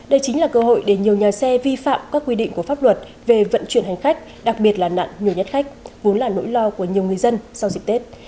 đây chính là cơ hội để nhiều nhà xe vi phạm các quy định của pháp luật về vận chuyển hành khách đặc biệt là nạn nhồi nhét khách vốn là nỗi lo của nhiều người dân sau dịp tết